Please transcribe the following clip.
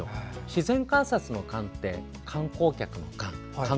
自然観察の観って、観光客の観